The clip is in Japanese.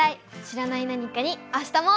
知らない何かに明日も。